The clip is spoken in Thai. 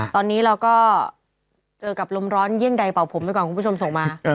ตอนนี้เราก็เจอกับลมร้อนเยี่ยงใดเป่าผมไปก่อนคุณผู้ชมส่งมา